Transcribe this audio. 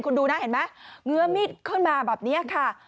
คุณดูนะเห็นไหมเงื้อมีดขึ้นมาแบบนี้ค่ะ